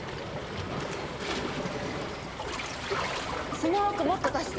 スモークもっと足して！